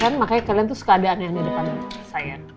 ya kan makanya kalian tuh suka ada aneh aneh depan saya